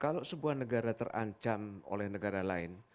kalau sebuah negara terancam oleh negara lain